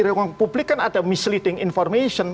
di ruang publik kan ada misleading information